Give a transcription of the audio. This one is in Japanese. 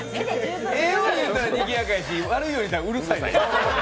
ええように言うたらにぎやかやし、悪いように言うたらうるさい。